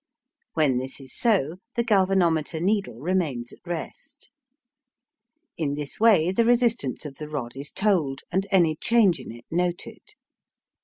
When this is so, the galvanometer needle remains at rest. In this way the resistance of the rod is told, and any change in it noted.